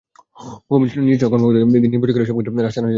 কমিশনের নিজস্ব কর্মকর্তাদের দিয়ে নির্বাচন করালে এসব ক্ষেত্রে রাশ টানা যেত।